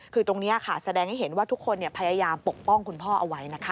คือตรงนี้ค่ะแสดงให้เห็นว่าทุกคนพยายามปกป้องคุณพ่อเอาไว้นะคะ